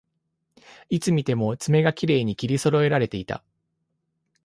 いつ見ても爪がきれいに切りそろえられていた